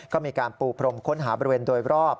ก็มีการปูพรมค้นหาบริเวณโดยรอบ